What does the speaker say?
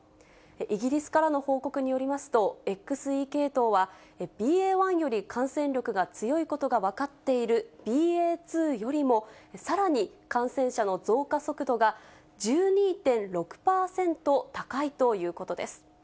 イギリスからの報告によりますと、ＸＥ系統は、ＢＡ．１より感染力が強いことが分かっているＢＡ．２よりも、さらに感染者の増加速度が１２．６％高いということです。